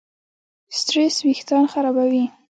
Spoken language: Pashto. سټرېس وېښتيان خرابوي.